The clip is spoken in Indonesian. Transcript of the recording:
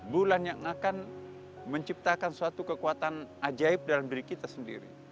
bulan yang akan menciptakan suatu kekuatan ajaib dalam diri kita sendiri